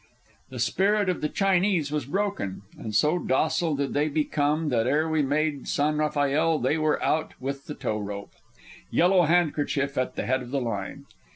The spirit of the Chinese was broken, and so docile did they become that ere we made San Rafael they were out with the tow rope, Yellow Handkerchief at the head of the line.